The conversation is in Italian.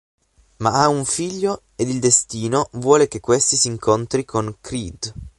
Ma ha un figlio, ed il destino vuole che questi si incontri con Creed.